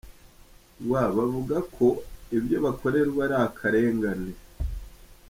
rw bavuga ko ibyo bakorerwa ari akarengane.